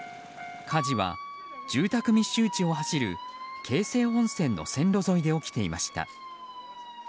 火事は、住宅密集地を走る京成本線の線路沿いで起きていました。